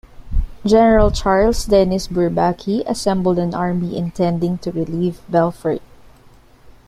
General Charles Denis Bourbaki assembled an army intending to relieve Belfort.